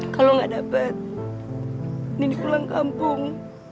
kalau gak dapat nini pulang kampung